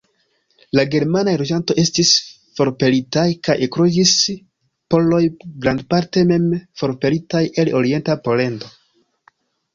La germanaj loĝantoj estis forpelitaj, kaj ekloĝis poloj, grandparte mem forpelitaj el orienta Pollando.